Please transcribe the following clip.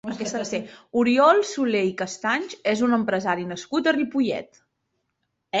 Oriol Soler i Castanys és un empresari nascut a Ripollet.